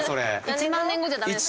１万年後じゃダメですか？